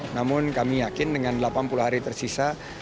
namun kami yakin dengan delapan puluh hari tersisa